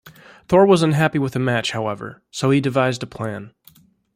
Thor was unhappy with the match however, so he devised a plan.